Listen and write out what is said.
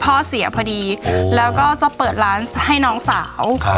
พ่อเสียพอดีแล้วก็จะเปิดร้านให้น้องสาว